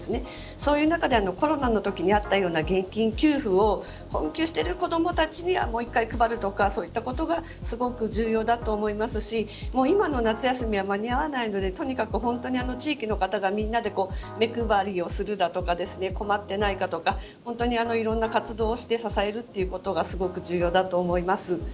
そういう中でコロナのときにあったような現金給付を困窮している子どもたちにはもう１回配るとかそういったことがすごく重要だと思いますし今の夏休みは間に合わないのでとにかく地域の方が皆で目配りをするだとか困っていないかとかいろんな活動をして支えることがすごく重要だと思います。